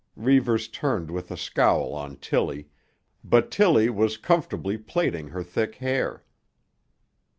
Reivers turned with a scowl on Tillie, but Tillie was comfortably plaiting her thick hair.